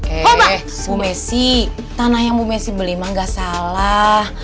eh bu messi tanah yang bu messi beli mah gak salah